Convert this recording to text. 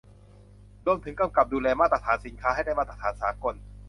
รวมถึงกำกับดูแลมาตรฐานสินค้าให้ได้มาตรฐานสากล